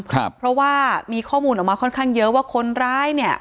เพราะว่ามีข้อมูลออกมาค่อนข้างเยอะว่าคนร้ายเนี่ย